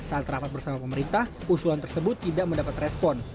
saat rapat bersama pemerintah usulan tersebut tidak mendapat respon